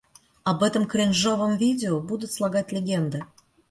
Об этом кринжовом видео будут слагать легенды.